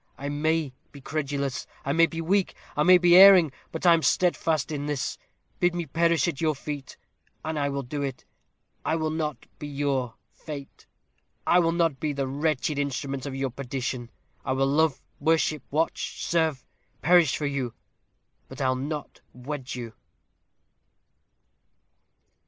I may be credulous; I may be weak; I may be erring; but I am steadfast in this. Bid me perish at your feet, and I will do it. I will not be your Fate. I will not be the wretched instrument of your perdition. I will love, worship, watch, serve, perish for you but I'll not wed you."